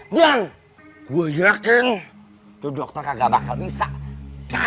bilang gua yakin tuh dokter kagak bakal bisa kagak